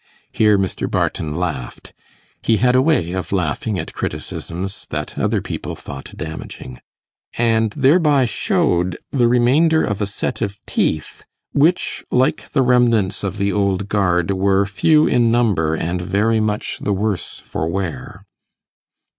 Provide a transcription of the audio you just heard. Here Mr. Barton laughed he had a way of laughing at criticisms that other people thought damaging and thereby showed the remainder of a set of teeth which, like the remnants of the Old Guard, were few in number, and very much the worse for wear.